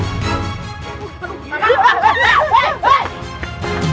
jangan lagi membuat onar di sini